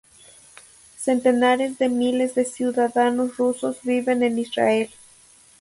Centenares de miles de ciudadanos rusos viven en Israel.